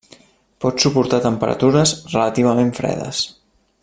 Pot suportar temperatures relativament fredes.